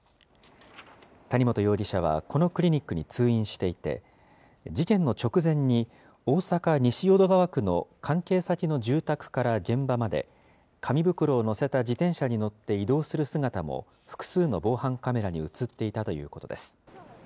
谷本容疑者はこのクリニックに通院していて、事件の直前に、大阪・西淀川区の関係先の住宅から現場まで、紙袋を載せた自転車に乗って移動する姿も、複数の防犯カメラに写っていたということです。